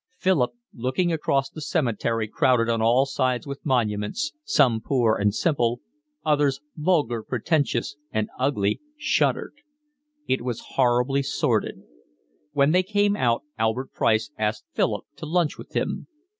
Philip, looking across the cemetery crowded on all sides with monuments, some poor and simple, others vulgar, pretentious, and ugly, shuddered. It was horribly sordid. When they came out Albert Price asked Philip to lunch with him.